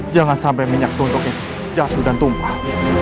jangan sampai minyak tuntuk ini jatuh dan tumpah